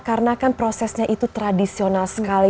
karena kan prosesnya itu tradisional sekali